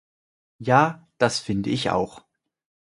Ja, dass finde ich auch